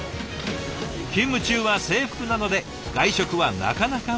勤務中は制服なので外食はなかなか難しい。